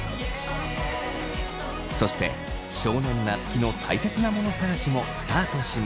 そして少年夏樹のたいせつなもの探しもスタートします。